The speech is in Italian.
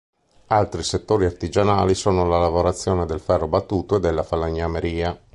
Altri settori artigianali sono la lavorazione del ferro battuto e della falegnameria.